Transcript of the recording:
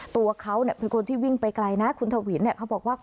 ตัวเขาเป็นคนที่วิ่งไปไกลนะคุณทวินเขาบอกว่า